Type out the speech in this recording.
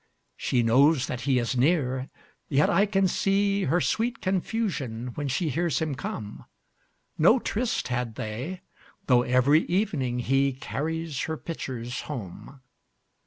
She knows that he is near, yet I can seeHer sweet confusion when she hears him come.No tryst had they, though every evening heCarries her pitchers home.